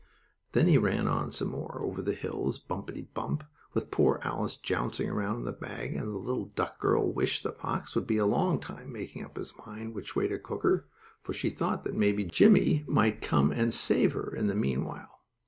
Then he ran on some more, over the hills, bumpity bump, with poor Alice jouncing around in that bag, and the little duck girl wished the fox would be a long time making up his mind which way to cook her, for she thought that maybe Jimmie might come and save her in the meanwhile.